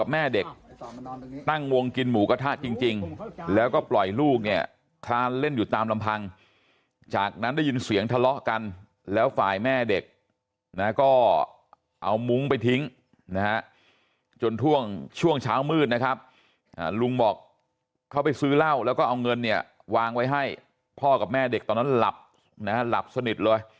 จริงตั้งวงกินหมูกระทะจริงจริงแล้วก็ปล่อยลูกจะค่ะเล่นอยู่ตามลำพังจากนั้นได้ยินเสียงทะเลาะกันแล้วฝ่ายแม่เด็กนะก็เอามุ้งไปทิ้งจนท่วงช่วงช้ามืดนะครับอาลูกบอกเขาไปซื้อเหล้าแล้วก็เอาเงินเนี่ยวางไว้ให้